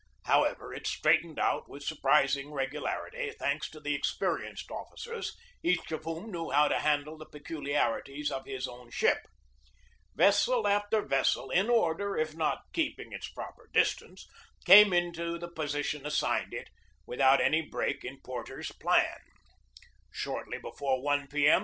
How ever, it straightened out with surprising regularity, thanks to the experienced officers, each of whom knew how to handle the peculiarities of his own ship. Vessel after vessel in order, if not keeping its proper distance, came into the position assigned it, without any break in Porter's plan. Shortly before I p. M.